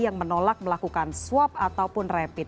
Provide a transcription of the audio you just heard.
yang menolak melakukan swab ataupun rapid